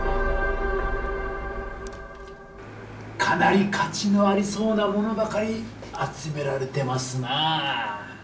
かなり価値のありそうなものばかり集められてますなぁ。